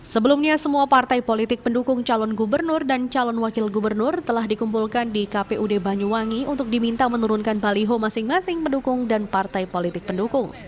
sebelumnya semua partai politik pendukung calon gubernur dan calon wakil gubernur telah dikumpulkan di kpud banyuwangi untuk diminta menurunkan baliho masing masing pendukung dan partai politik pendukung